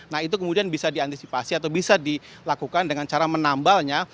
nah itu kemudian bisa diantisipasi atau bisa dilakukan dengan cara menambalnya